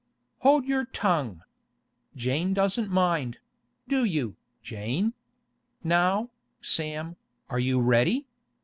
'Hold your tongue! Jane doesn't mind; do you, Jane? Now, Sam, are you ready?